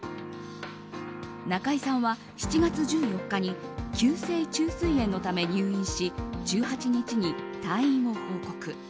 中居さんは７月１４日に急性虫垂炎のため入院し１８日に退院を報告。